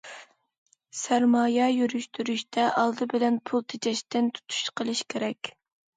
سەرمايە يۈرۈشتۈرۈشتە ئالدى بىلەن پۇل تېجەشتىن تۇتۇش قىلىش كېرەك.